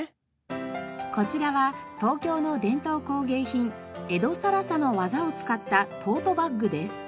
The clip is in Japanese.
こちらは東京の伝統工芸品江戸更紗の技を使ったトートバッグです。